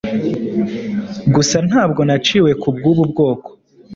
gusa ntabwo naciwe kubwubu bwoko